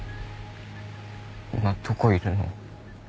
今どこにいるの？